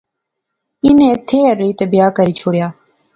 انی ایتھیں ایہہ رہی تہ بیاہ کری شوڑیا